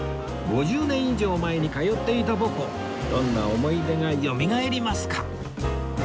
５０年以上前に通っていた母校どんな思い出がよみがえりますか